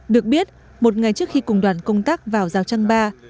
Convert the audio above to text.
được biết một ngày trước khi cùng đoàn công tác vào rào trang ba